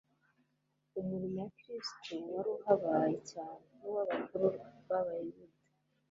Umurimo wa Kristo wari uhabanye cyane n'uw'abakuru b'Abayuda.